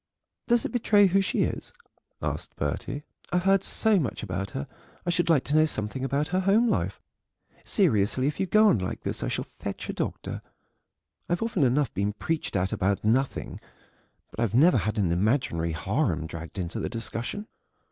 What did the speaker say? "Does it betray who she is?" asked Bertie; "I've heard so much about her, I should like to know something about her home life. Seriously, if you go on like this I shall fetch a doctor; I've often enough been preached at about nothing, but I've never had an imaginary harem dragged into the discussion."